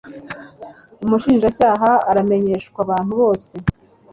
umushinjacyaha aramenyeshwa abantu bose